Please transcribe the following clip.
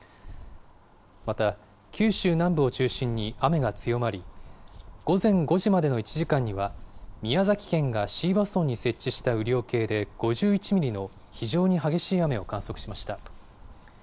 また、九州南部を中心に雨が強まり、午前５時までの１時間には、宮崎県が椎葉村に設置した雨量計で５１ミリの非常に激しい雨を観測しました。